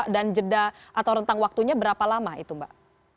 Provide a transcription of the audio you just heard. dan jeda atau rentang waktunya berapa lama itu mbak